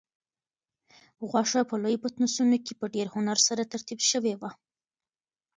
غوښه په لویو پتنوسونو کې په ډېر هنر سره ترتیب شوې وه.